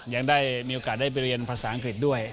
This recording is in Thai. ยังได้มีโอกาสได้ไปเรียนภาษาอังกฤษด้วย